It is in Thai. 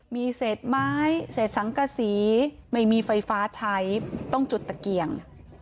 มีเศษไม้เศษสังกษีไม่มีไฟฟ้าใช้ต้องจุดตะเกียง